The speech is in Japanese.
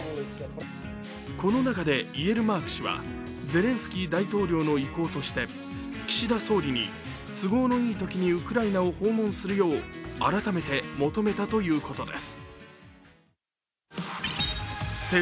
この中でイエルマーク氏はゼレンスキー大統領の意向として岸田総理に都合のいいときにウクライナを訪問するよう改めて求めたということです。